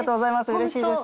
うれしいです。